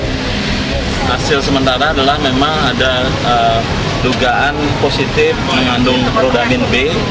hasil sementara adalah memang ada dugaan positif mengandung rodamin b